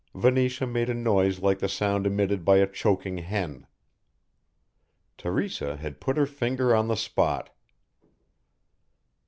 Venetia made a noise like the sound emitted by a choking hen. Teresa had put her finger on the spot.